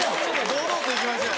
堂々といきましょうよ。